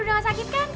udah gak sakit kan